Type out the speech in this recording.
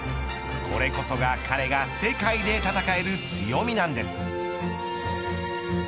これこそが彼が世界で戦える強みなんです。